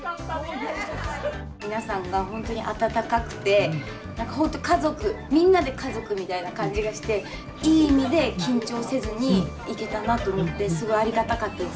皆さんが本当に温かくて何か本当家族みんなで家族みたいな感じがしていい意味で緊張せずにいけたなと思ってすごいありがたかったです。